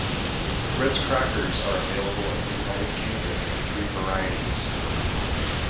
Ritz Crackers are available in the United Kingdom in three varieties.